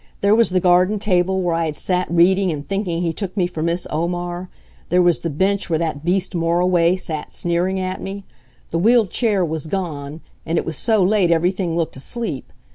There was the garden table where I had sat reading and thinking he took me for Miss Omar. There was the bench where that beast Moriway sat sneering at me. The wheeled chair was gone. And it was so late everything looked asleep.